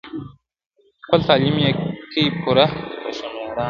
خپل تعلیم یې کئ پوره په ښه مېړانه,